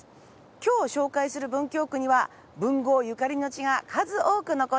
今日紹介する文京区には文豪ゆかりの地が数多く残っています。